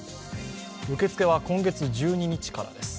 受け付けは今月１２日からです。